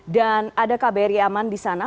dan ada kbri aman di sana